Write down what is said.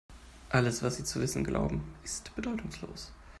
Alles, was Sie zu wissen glauben, ist bedeutungslos.